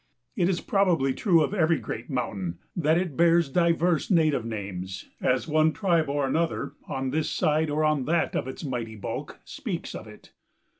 It is probably true of every great mountain that it bears diverse native names as one tribe or another, on this side or on that of its mighty bulk, speaks of it.